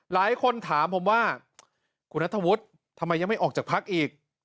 หลายคนถามผมว่าคุณนัทธวุฒิทำไมยังไม่ออกจากพักอีก